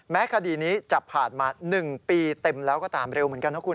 คดีนี้จะผ่านมา๑ปีเต็มแล้วก็ตามเร็วเหมือนกันนะคุณ